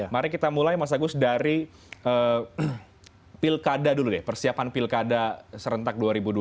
mari kita mulai mas agus dari pilkada dulu deh persiapan pilkada serentak dua ribu dua puluh